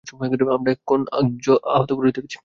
আমরা একজন আহত পুরুষ পেয়েছি।